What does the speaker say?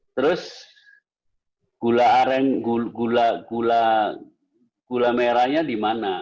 terus gula aren gula merahnya di mana